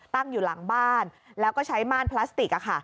ตั้งอยู่หลังบ้านแล้วก็ใช้ม่านพลาสติก